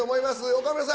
岡村さん